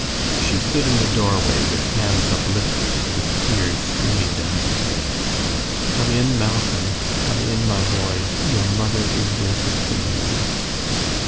She stood in the doorway with hands uplifted and with tears streaming down her face. "Come in, Malcolm; come in, my boy. Your mother is waiting for you."